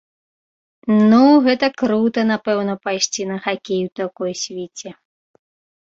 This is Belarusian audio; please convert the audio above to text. Ну гэта крута, напэўна, пайсці на хакей у такой свіце.